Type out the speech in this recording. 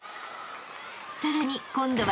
［さらに今度は］